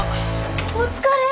お疲れ。